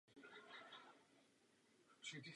Zabýval se především teorií grafů a matematickou analýzou.